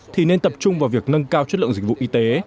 thì nên tập trung vào việc nâng cao chất lượng dịch vụ y tế